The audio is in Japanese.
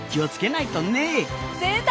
出た！